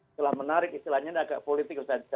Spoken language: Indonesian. istilah menarik istilahnya agak politik ustaz